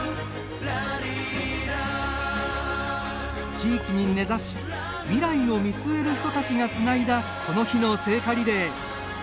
地域に根ざし未来を見据える人たちがつないだこの日の聖火リレー。